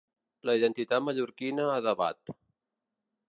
La identitat mallorquina a debat.